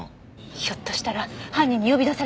ひょっとしたら犯人に呼び出されたのかも。